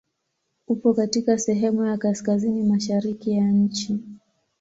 Upo katika sehemu ya kaskazini mashariki ya nchi.